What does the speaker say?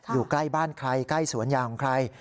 อยู่ใกล้บ้านใครใกล้สวนยางของใคร